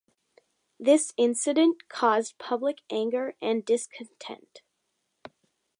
This incident caused public anger and discontent.